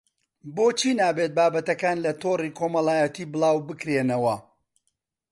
بۆچی نابێت بابەتەکان لە تۆڕی کۆمەڵایەتی بڵاوبکرێنەوە